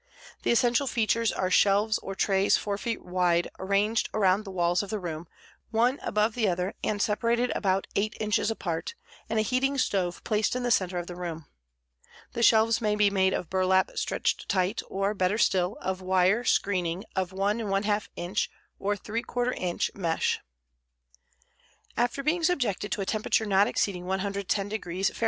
The essential features are shelves or trays 4 feet wide arranged around the walls of the room, one above the other and separated about 8 inches apart, and a heating stove placed in the center of the room. The shelves may be made of burlap stretched tight, or, better still, of wire screening of 1 1/2 inch or 3/4 inch mesh. After being subjected to a temperature not exceeding 110° Fahr.